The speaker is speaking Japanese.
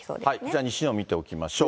じゃあ西日本見ていきましょう。